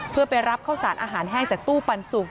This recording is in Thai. เพื่อไปรับข้าวสารอาหารแห้งจากตู้ปันสุก